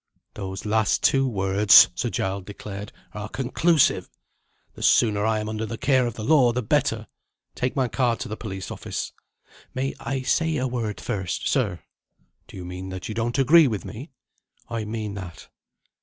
"Those last words," Sir Giles declared, "are conclusive! The sooner I am under the care of the law the better. Take my card to the police office." "May I say a word first, sir?" "Do you mean that you don't agree with me?" "I mean that."